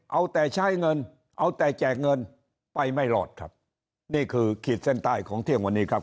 เอาแต่ใช้เงินเอาแต่แจกเงินไปไม่รอดครับนี่คือขีดเส้นใต้ของเที่ยงวันนี้ครับ